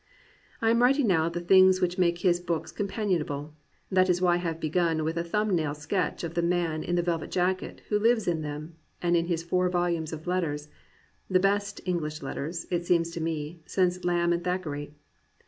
I am writing now of the things which make his books companionable. That is why I have begun with a thumb nail sketch of the man in the velvet jacket who lives in them and in his four volumes of letters, — the best English letters, it seems to me, since Lamb and Thackeray.